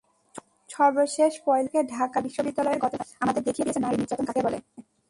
সর্বশেষ পয়লা বৈশাখে ঢাকা বিশ্ববিদ্যালয়ের ঘটনাটি আমাদের দেখিয়ে দিয়েছে নারী নির্যাতন কাকে বলে।